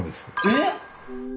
えっ！？